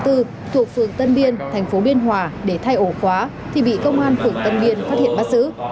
thuộc phường tân biên thành phố biên hòa để thay ổ khóa thì bị công an phường tân biên phát hiện bắt giữ